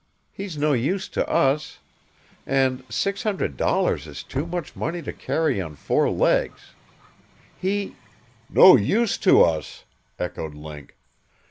He's no use to us. And $600 is too much money to carry on four legs. He " "No use to us?" echoed Link.